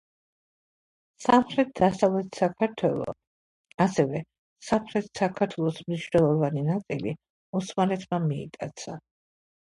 სამხრეთ-დასავლეთ საქართველო, ასევე, სამხრეთ საქართველოს მნიშვნელოვანი ნაწილი ოსმალეთმა მიიტაცა.